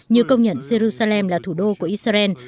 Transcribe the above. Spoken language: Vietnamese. như công nhận jerusalem là thủ đô của israel